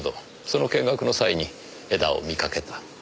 その見学の際に江田を見かけた。